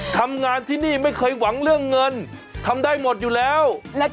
ทำงานที่นี่ไม่เคยหวังเรื่องเงินทำได้หมดอยู่แล้ว